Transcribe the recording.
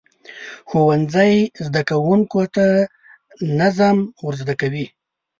ښوونځی زده کوونکو ته نظم ورزده کوي.